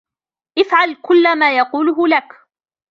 افعل كلّ ما يقولهُ لك.